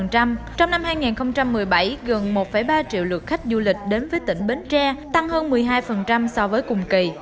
trong năm hai nghìn một mươi bảy gần một ba triệu lượt khách du lịch đến với tỉnh bến tre tăng hơn một mươi hai so với cùng kỳ